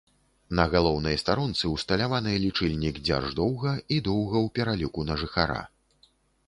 На галоўнай старонцы ўсталяваны лічыльнік дзярждоўга і доўга ў пераліку на жыхара.